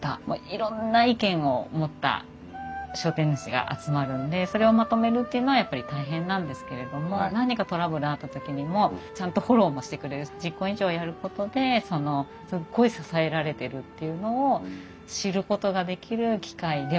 いろんな意見を持った商店主が集まるんでそれをまとめるっていうのはやっぱり大変なんですけれども何かトラブルあった時にもちゃんとフォローもしてくれるし実行委員長をやることですっごい支えられてるっていうのを知ることができる機会ではありました。